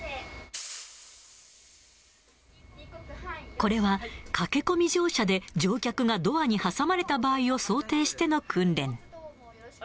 これは、駆け込み乗車で乗客がドアに挟まれた場合を想定しての訓練。